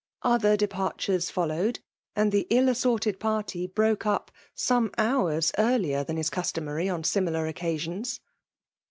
Other departures followed ; and the ill assorted party broke up some hours earlier than is customary on similar occasions.